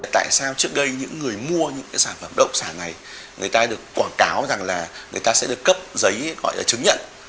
tại sao trước đây những người mua những cái sản phẩm động sản này người ta được quảng cáo rằng là người ta sẽ được cấp giấy gọi là chứng nhận